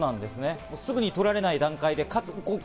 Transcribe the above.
すぐに捕られない段階で。